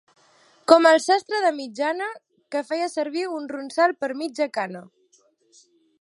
Com el sastre de mitjana, que feia servir un ronsal per mitja cana.